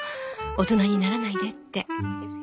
大人にならないでって。